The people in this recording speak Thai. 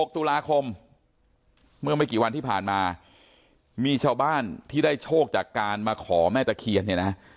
ตุลาคมเมื่อไม่กี่วันที่ผ่านมามีชาวบ้านที่ได้โชคจากการมาขอแม่ตะเคียนเนี่ยนะ